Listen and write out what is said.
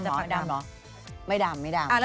แต่ดำเหรอ